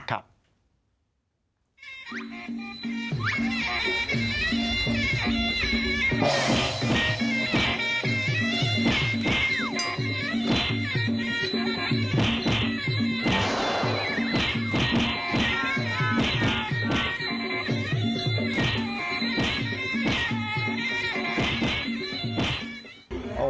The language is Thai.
สีหน้าดาว